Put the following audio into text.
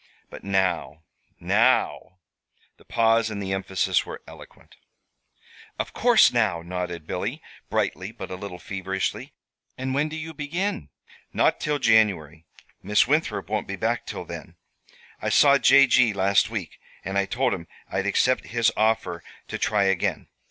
But now now !" The pause and the emphasis were eloquent. "Of course, now," nodded Billy, brightly, but a little feverishly. "And when do you begin?" "Not till January. Miss Winthrop won't be back till then. I saw J. G. last week, and I told him I'd accept his offer to try again."